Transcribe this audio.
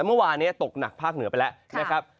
เมื่อวานนี้ตกหนักภาคเหนือไปแล้วนะครับ